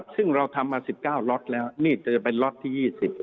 ซึ่งเราทำมา๑๙ล็อตแล้วนี่จะเป็นล็อตที่๒๐